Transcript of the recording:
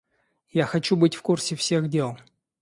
Я хочу быть в курсе всех дел.